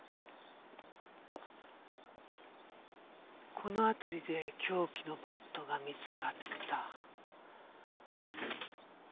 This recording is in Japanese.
この辺りで凶器のバットが見つかった。